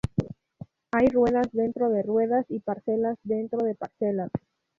Hay ruedas dentro de ruedas, y parcelas dentro de parcelas.